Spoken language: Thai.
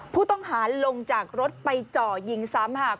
ผู้ต้องหาลงจากรถไปเจาะยิงซ้ำหาก